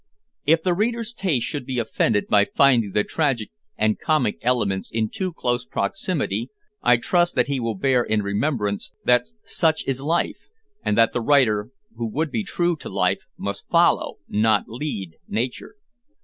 If the reader's taste should be offended by finding the tragic and comic elements in too close proximity I trust that he will bear in remembrance that "such is life," and that the writer who would be true to life must follow, not lead, nature.